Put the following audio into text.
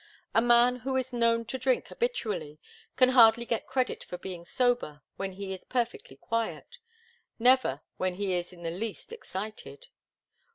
A man who is known to drink habitually can hardly get credit for being sober when he is perfectly quiet never, when he is in the least excited.